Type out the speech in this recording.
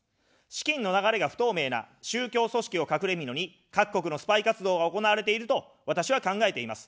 資金の流れが不透明な宗教組織を隠れみのに各国のスパイ活動が行われていると、私は考えています。